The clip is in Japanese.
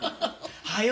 はよ